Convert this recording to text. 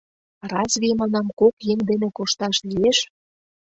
Разве, манам, кок еҥ дене кошташ лиеш.